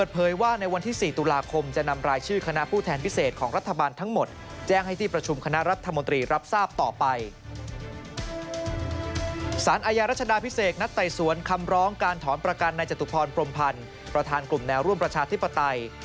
สารอาญารัชดาพิเศษนัดไต่สวนคำร้องการถอนประกันในจตุพรพรมพันธ์ประธานกลุ่มแนวร่วมประชาธิปไตย